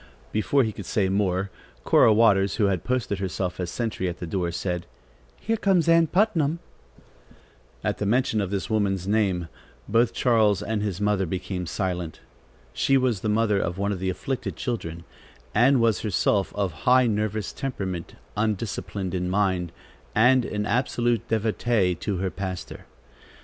Before he could say more, Cora Waters, who had posted herself as a sentry at the door said: "Here comes Ann Putnam." At mention of this woman's name, both Charles and his mother became silent. She was the mother of one of the afflicted children, and was herself of high nervous temperament, undisciplined in mind, and an absolute devotee to her pastor.